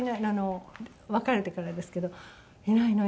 別れてからですけど「いないの？」